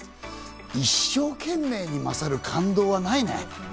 一生懸命に勝る感動はないね。